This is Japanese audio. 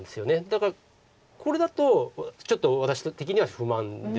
だからこれだとちょっと私的には不満です。